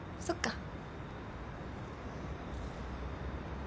そっか。